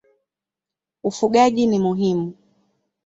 Ufugaji ni muhimu.